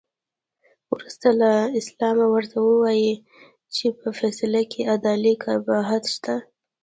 وروسته له سلامه ورته ووایه چې په فیصله کې عدلي قباحت شته.